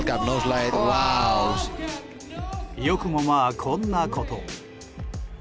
よくもまあ、こんなことを。